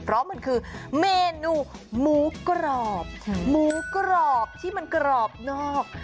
เพราะมันคือเมนูหมูกรอบหมูกรอบที่มันกรอบนอก